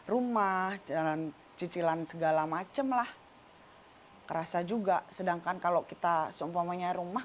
rumah jalan cicilan segala macem lah kerasa juga sedangkan kalau kita seumpamanya rumah